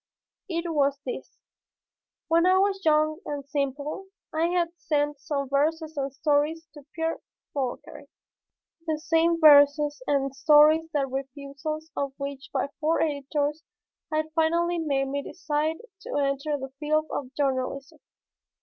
It was this: When I was young and simple I had sent some verses and stories to Pierre Fauchery, the same verses and stories the refusal of which by four editors had finally made me decide to enter the field of journalism.